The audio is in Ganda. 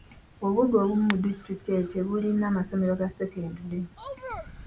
Obubuga obumu mu disitulikiti eyo tebulina masomero ga sekendule.